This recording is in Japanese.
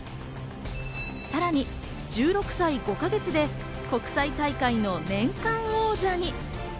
さらに１６歳５か月で国際大会の年間王者に。